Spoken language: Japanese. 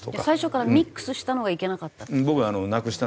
最初からミックスしたのがいけなかったって事ですか？